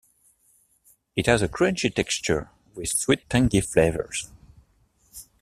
It has a crunchy texture with sweet-tangy flavours.